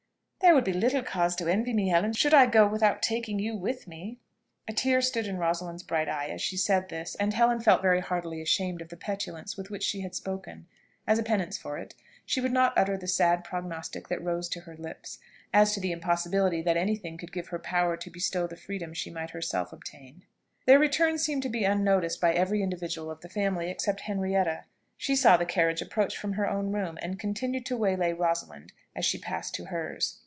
"There would be little cause to envy me, Helen, should I go without taking you with me." A tear stood in Rosalind's bright eye as she said this, and Helen felt very heartily ashamed of the petulance with which she had spoken. As a penance for it, she would not utter the sad prognostic that rose to her lips, as to the impossibility that any thing could give her power to bestow the freedom she might herself obtain. Their return seemed to be unnoticed by every individual of the family except Henrietta. She saw the carriage approach from her own room, and continued to waylay Rosalind as she passed to hers.